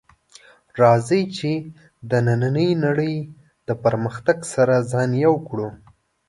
راځئ چې د نننۍ نړۍ د پرمختګ سره ځان یو کړو